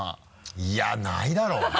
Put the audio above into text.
いやないだろうね。